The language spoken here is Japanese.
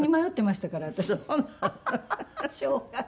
しょうがない。